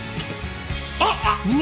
あっ！